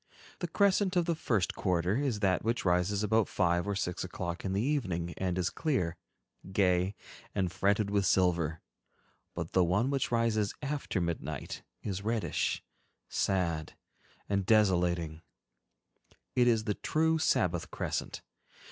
The crescent of the first quarter is that which rises about five or six o'clock in the evening and is clear, gay, and fretted with silver; but the one which rises after midnight is reddish, sad, and desolating—it is the true Sabbath crescent.